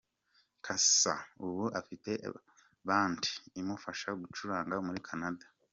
Cassa ubu afite band imufasha gucuranga muri Canada.